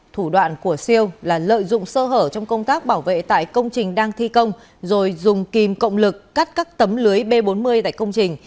thủ đoạn của siêu là lợi dụng sơ hở trong công tác bảo vệ tại công trình đang thi công rồi dùng kìm cộng lực cắt các tấm lưới b bốn mươi tại công trình